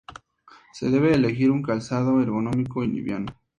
Se debe elegir un calzado ergonómico y liviano.